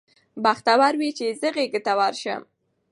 بختور وي چي یې زه غیږي ته ورسم